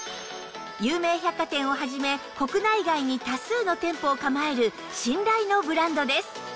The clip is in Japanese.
有名百貨店を始め国内外に多数の店舗を構える信頼のブランドです